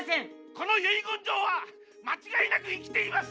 この遺言状は間違いなく生きています！